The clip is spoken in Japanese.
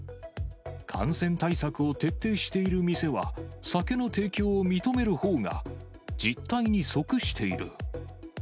感染対策を徹底している店は、酒の提供を認めるほうが実態に即している。